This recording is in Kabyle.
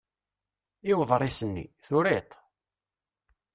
I uḍris-nni? Turiḍ-t?